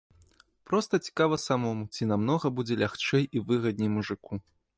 Проста цікава самому, ці намнога будзе лягчэй і выгадней мужыку.